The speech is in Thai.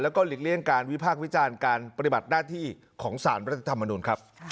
แล้วก็หลีกเลี่ยงการวิพากษ์วิจารณ์การปฏิบัติหน้าที่ของสารรัฐธรรมนุนครับ